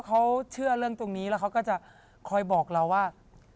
เขาเชื่อเรื่องตรงนี้แล้วเขาก็จะคอยบอกเราว่า